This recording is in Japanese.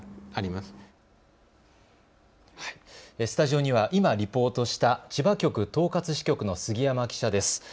スタジオには今、リポートした千葉局東葛支局の杉山記者です。